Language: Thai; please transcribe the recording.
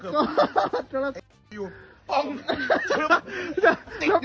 เอาล่ะครับ